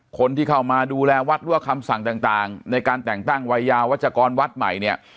คนที่เข้ามาดูแลวัดหรือว่าคำสั่งต่างในการแต่งตั้งวัยยาวัชกรวัดใหม่เนี่ย